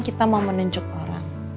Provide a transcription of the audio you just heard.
kita mau menunjuk orang